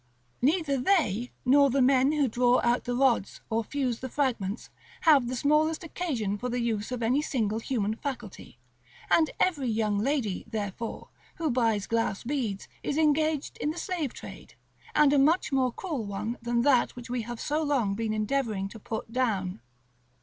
Neither they, nor the men who draw out the rods, or fuse the fragments, have the smallest occasion for the use of any single human faculty; and every young lady, therefore, who buys glass beads is engaged in the slave trade, and in a much more cruel one than that which we have so long been endeavoring to put down.